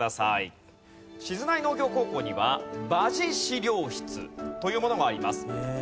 静内農業高校には馬事資料室というものがあります。